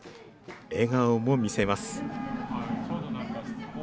笑顔も見せます。